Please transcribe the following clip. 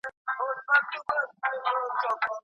پاڼه پر دغې ونې ډېره ګرانه وه.